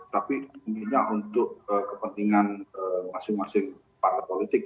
tapi hanya untuk kepentingan masing masing partai politik